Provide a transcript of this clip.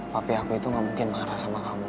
papi aku itu gak mungkin marah sama kamu